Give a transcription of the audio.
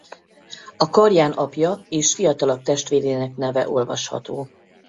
A karján apja és fiatalabb testvérének neve olvasható.